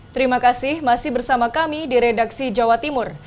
terima kasih masih bersama kami di redaksi jawa timur